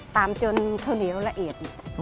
จนข้าวเหนียวละเอียด